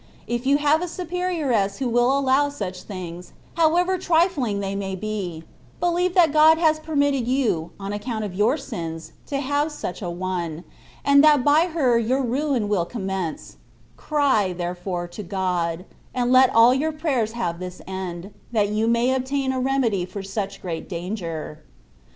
If you have a superioress who will allow such things, however trifling they may be, believe that God has permitted you, on account of your sins, to have such an one, and that by her your ruin will commence : cry, therefore, to God, and let all your prayers have this end, that you may obtain a remedy for such great danger.